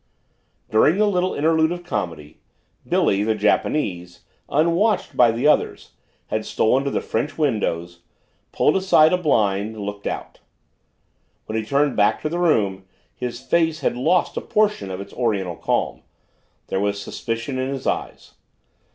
During the little interlude of comedy, Billy, the Japanese, unwatched by the others, had stolen to the French windows, pulled aside a blind, looked out. When he turned back to the room his face had lost a portion of its Oriental calm there was suspicion in his eyes.